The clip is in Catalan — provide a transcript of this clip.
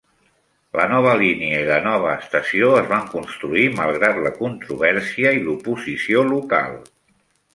La nova línia i la nova estació es van construir malgrat la controvèrsia i l"oposició local.